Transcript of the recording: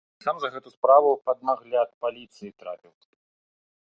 Я сам за гэту справу пад нагляд паліцыі трапіў.